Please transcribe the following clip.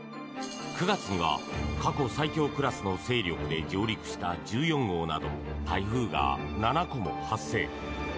９月には過去最強クラスの勢力で上陸した１４号など台風が７個も発生。